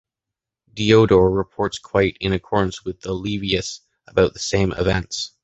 Diodor reports quite in accordance with Livius about the same events.